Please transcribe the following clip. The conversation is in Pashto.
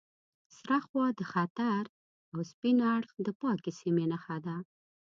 سره خوا د خطر او سپین اړخ د پاکې سیمې نښه ده.